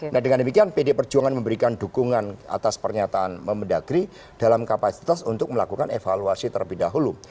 nah dengan demikian pd perjuangan memberikan dukungan atas pernyataan mendagri dalam kapasitas untuk melakukan evaluasi terlebih dahulu